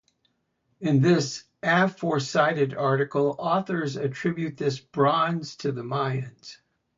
In this aforecited article, authors attribute this bronze to the Mayans.